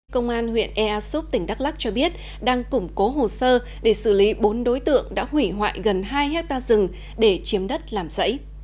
công an huyện ea súp tỉnh đắk lắc cho biết đang củng cố hồ sơ để xử lý bốn đối tượng đã hủy hoại gần hai hectare rừng để chiếm đất làm rẫy